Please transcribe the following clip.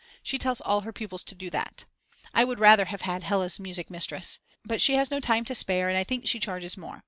She tells all her pupils to do that. I would rather have had Hella's music mistress. But she has no time to spare and I think she charges more.